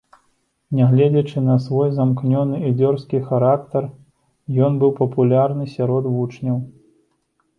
Нягледзячы на свой замкнёны і дзёрзкі характар, ён быў папулярны сярод вучняў.